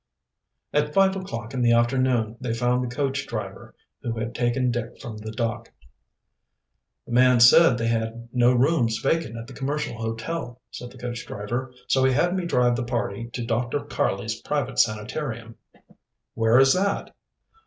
At five o'clock in the afternoon they found the coach driver who had taken Dick from the dock. "The man said they had no rooms vacant at the Commercial Hotel," said the coach driver. "So he had me drive the party to Dr. Karley's Private Sanitarium." "Where is that?"